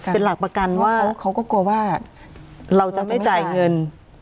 เป็นหลักประกันว่าเขาก็กลัวว่าเราจะไม่จ่ายเงิน